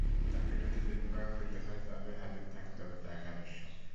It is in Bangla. তাঁকে যদি ঠিকভাবে পেতে হয়, তাহলে হাজির থাকতে হবে তাঁর কাজের সময়।